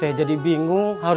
udah di rumah aja tuh